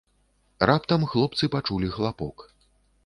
Раптам хлопцы пачулі хлапок.